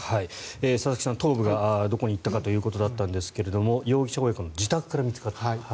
佐々木さん頭部がどこに行ったかということだったんですが容疑者親子の自宅から見つかったと。